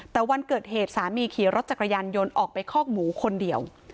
แต่วันเกิดเหตุสามีขี่รถจักรยานยนต์ออกไปคอกหมูคนเดียว